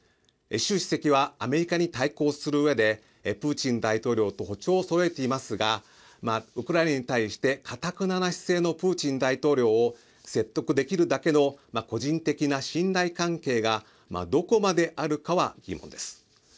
習主席はアメリカに対抗するうえでプーチン大統領と歩調をそろえていますがウクライナに対してかたくなな姿勢のプーチン大統領を説得できるだけの個人的な信頼関係がどこまであるかは疑問です。